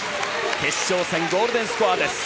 決勝戦、ゴールデンスコアです。